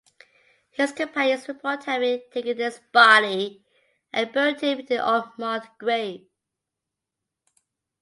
His companions report having taken his body and buried him in an unmarked grave.